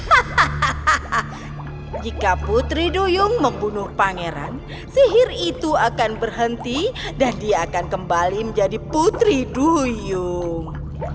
hahaha jika putri duyung membunuh pangeran sihir itu akan berhenti dan dia akan kembali menjadi putri duyung